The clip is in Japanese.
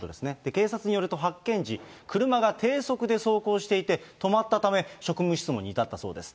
警察によると発見時、車が低速で走行していて止まったため、職務質問に至ったそうです。